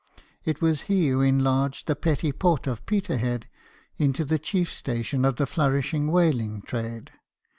It was he who enlarged the petty port of Peterhead into the chief station of the flourishing whaling trade.